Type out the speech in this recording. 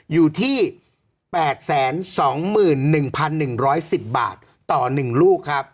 อยู่ที่แปดแสนสองหมื่นหนึ่งพันหนึ่งร้อยสิบบาทต่อหนึ่งลูกครับ